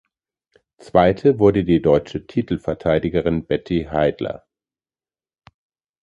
Zweite wurde die deutsche Titelverteidigerin Betty Heidler.